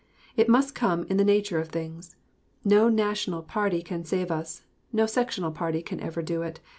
It must come in the nature of things. No national party can save us; no sectional party can ever do it.